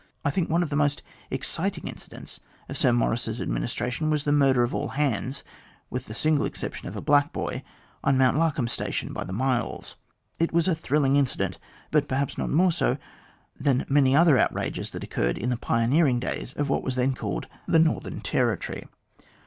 I think one of the most exciting incidents of Sir Maurice's administration was the murder of all hands, with the single exception of a black boy, on Mount Larcombe Station by [the myalls. It was a thrilling incident, but perhaps not more so than many other outrages that occurred in the pioneering days of what was then called the Northern THE GLADSTONE OF TO DAY 201 Territory.